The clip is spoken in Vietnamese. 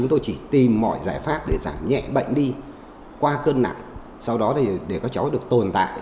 giải pháp để giảm nhẹ bệnh đi qua cơn nặng sau đó để các cháu được tồn tại